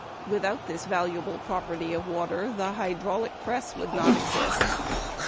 Without this valuable property of water, the hydraulic press would not exist.